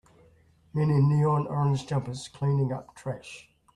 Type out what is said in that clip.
Men in neon orange jumpers cleaning up trash.